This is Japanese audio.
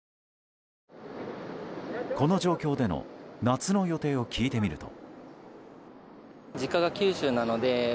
この状況での夏の予定を聞いてみると。